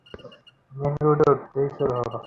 Main রোডে উঠতেই শুরু হল।